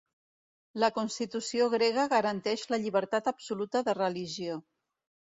La Constitució grega garanteix la llibertat absoluta de religió.